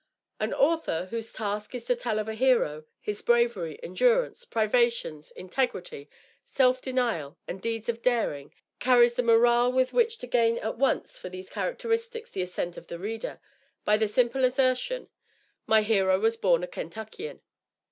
An Author, whose task is to tell of a Hero, his bravery, endurance, privations, integrity, self denial and deeds of daring, carries the morale with which to gain at once for these characteristics the assent of the reader, by the simple assertion, "My Hero was born a Kentuckian."